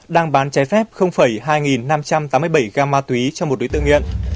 đang bán trái phép hai nghìn năm trăm tám mươi bảy g ma tùy cho một đối tượng nghiện